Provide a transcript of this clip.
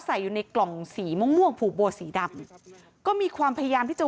ใส่อยู่ในกล่องสีม่วงม่วงผูกโบสีดำก็มีความพยายามที่จะ